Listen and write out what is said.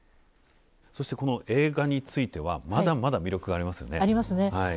そしてこの映画についてはまだまだ魅力がありますよね。ありますね。